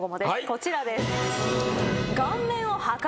こちらです。